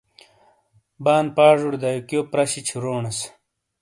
بان پاجوڑے دیکیو پرہ شی چھورونس